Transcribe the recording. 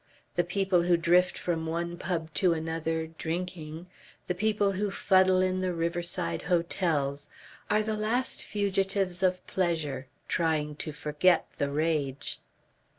The people who drift from one pub to another, drinking, the people who fuddle in the riverside hotels, are the last fugitives of pleasure, trying to forget the rage...."